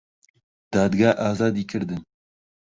دادگا ئازادی کردن